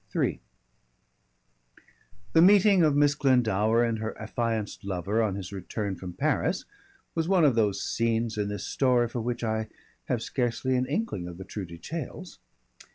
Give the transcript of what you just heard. III The meeting of Miss Glendower and her affianced lover on his return from Paris was one of those scenes in this story for which I have scarcely an inkling of the true details.